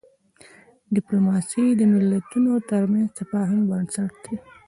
ډیپلوماسي د ملتونو ترمنځ د تفاهم بنسټ دی.